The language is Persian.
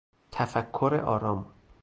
تفکر آرام